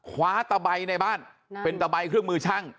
ตะใบในบ้านเป็นตะใบเครื่องมือช่าง